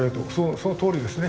そのとおりですね。